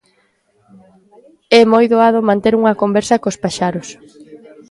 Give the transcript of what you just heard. É moi doado manter unha conversa cos paxaros.